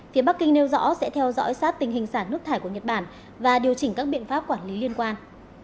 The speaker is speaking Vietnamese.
phía bắc kinh nêu rõ sẽ theo dõi sát tình hình xả nước thải của nhật bản và điều chỉnh các biện pháp quản lý liên quan